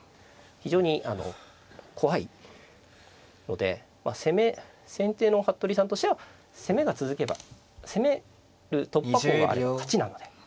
非常に怖いので攻め先手の服部さんとしては攻めが続けば攻める突破口があれば勝ちなので。